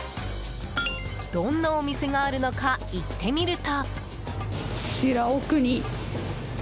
どんなお店があるのか行ってみると。